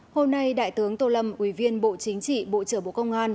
hôm nay đại tướng tô lâm ủy viên bộ chính trị bộ trưởng bộ công an